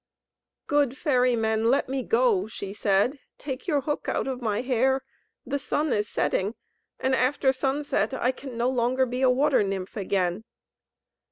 "Good ferry man, let me go," she said; "take your hook out of my hair! The sun is setting, and after sunset I can no longer be a water nymph again."